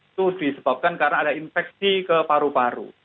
itu disebabkan karena ada infeksi ke paru paru